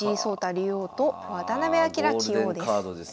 竜王と渡辺明棋王です。